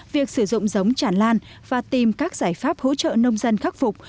việc sử dụng giống chản lan và tìm các giải pháp hỗ trợ nông dân khắc phục